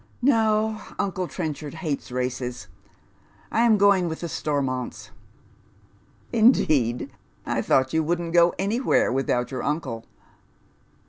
" No, uncle Trenchard hates races. I am going with the Stor monts." " Indeed ! I thought you wouldn't go anywhere without your uncle."